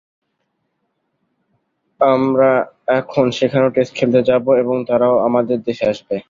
আমরা এখন সেখানেও টেস্ট খেলতে যাব এবং তারাও আমাদের দেশে আসবে।